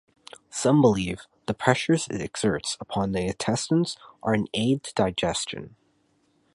Some believe the pressures it exerts upon the intestines are an aid to digestion.